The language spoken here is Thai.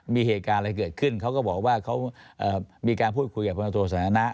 มีเหตุการณ์อะไรเกิดขึ้นเขาก็บอกว่าเขามีการพูดคุยกับพลโทสันทนะ